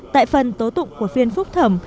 tại phần tố tụng của phiên phúc thẩm